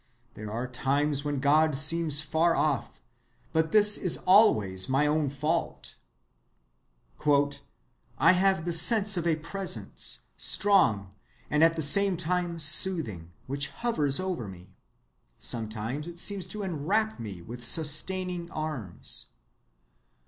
There are times when God seems far off, but this is always my own fault."— "I have the sense of a presence, strong, and at the same time soothing, which hovers over me. Sometimes it seems to enwrap me with sustaining arms."